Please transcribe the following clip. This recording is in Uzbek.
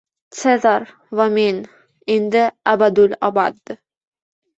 Sezarь va men endi abadul abad